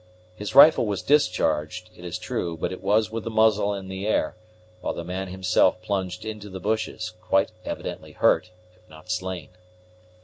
His rifle was discharged, it is true, but it was with the muzzle in the air, while the man himself plunged into the bushes, quite evidently hurt, if not slain.